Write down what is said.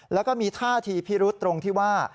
แล้วก็มีท่าทีพิรุษตรงที่ว่า